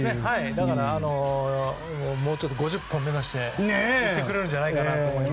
だからもうちょっと５０本目指していってくれるんじゃないかと思います。